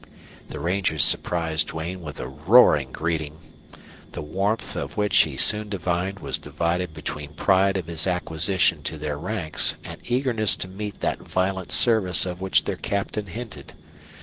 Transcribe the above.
The rangers surprised Duane with a roaring greeting, the warmth of which he soon divined was divided between pride of his acquisition to their ranks and eagerness to meet that violent service of which their captain hinted.